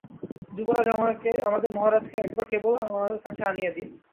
যুবরাজ আমাদের মহারাজকে একবার কেবল আমার কাছে আনিয়া দিন।